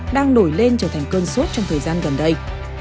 đang nổi lên trở thành cơn suốt trong thời gian gần đây